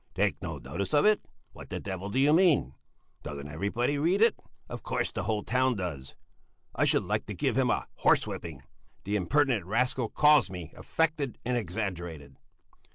"Take no notice of it? What the devil do you mean? Doesn't everybody read it? Of course the whole town does! I should like to give him a horse whipping! The impertinent rascal calls me affected and exaggerated."